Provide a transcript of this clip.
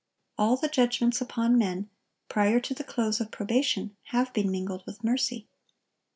All the judgments upon men, prior to the close of probation, have been mingled with mercy.